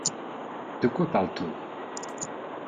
De quoi parle-t-on ?